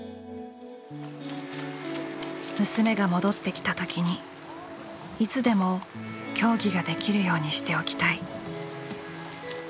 「娘が戻って来た時にいつでも競技ができるようにしておきたい」。